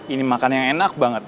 ini makan yang enak banget